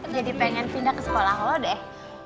jadi pengen pindah ke sekolah lo deh